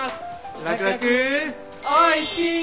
ラクラクおいし！